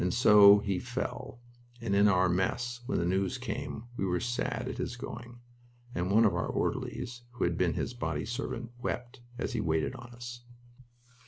So he fell; and in our mess, when the news came, we were sad at his going, and one of our orderlies, who had been his body servant, wept as he waited on us.